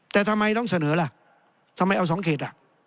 แต่ทำไมต้องเสนอล่ะทำไมเอาสองเขตอ่ะ